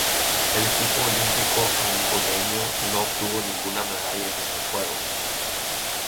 El equipo olímpico angoleño no obtuvo ninguna medalla en estos Juegos.